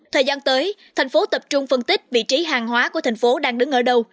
thời gian tới thành phố tập trung phân tích vị trí hàng hóa của thành phố đang đứng ở đâu